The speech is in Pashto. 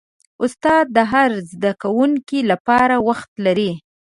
استاد د هر زده کوونکي لپاره وخت لري.